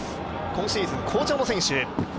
今シーズン、好調の選手。